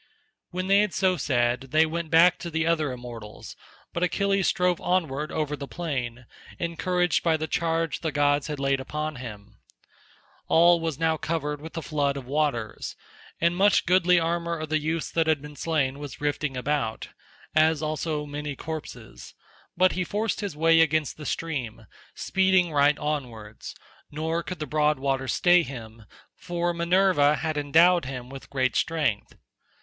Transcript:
When they had so said they went back to the other immortals, but Achilles strove onward over the plain, encouraged by the charge the gods had laid upon him. All was now covered with the flood of waters, and much goodly armour of the youths that had been slain was rifting about, as also many corpses, but he forced his way against the stream, speeding right onwards, nor could the broad waters stay him, for Minerva had endowed him with great strength.